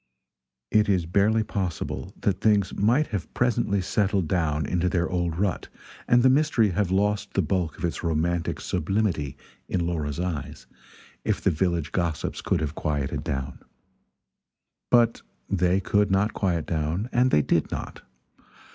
It is barely possible that things might have presently settled down into their old rut and the mystery have lost the bulk of its romantic sublimity in Laura's eyes, if the village gossips could have quieted down. But they could not quiet down and they did not.